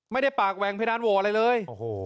ไม่ได้ปากแหว่งเพดานโหวอะไรเลย